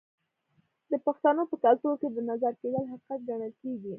د پښتنو په کلتور کې د نظر کیدل حقیقت ګڼل کیږي.